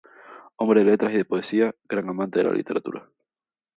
Hombre de letras y de poesía, gran amante de la literatura.